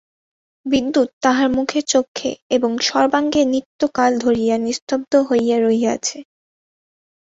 বিদ্যুৎ তাহার মুখে চক্ষে এবং সর্বাঙ্গে নিত্যকাল ধরিয়া নিস্তব্ধ হইয়া রহিয়াছে।